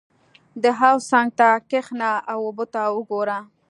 • د حوض څنګ ته کښېنه او اوبه ته وګوره.